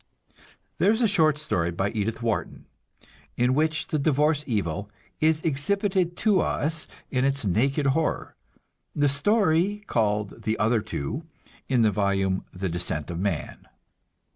There is a short story by Edith Wharton, in which the "divorce evil" is exhibited to us in its naked horror; the story called "The Other Two," in the volume "The Descent of Man."